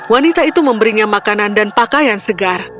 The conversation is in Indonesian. wanita itu memberinya makanan dan pakaian segar